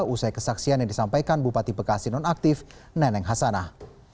usai kesaksian yang disampaikan bupati bekasi nonaktif neneng hasanah